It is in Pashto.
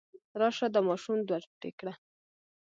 راشه دا ماشوم دوه ټوټې کړه.